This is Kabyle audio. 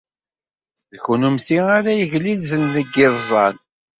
D kennemti ara yeglilzen deg yiẓẓan.